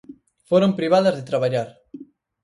Foron privadas de traballar.